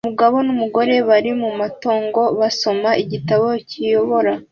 Umugabo numugore bari mumatongo basoma igitabo kiyobora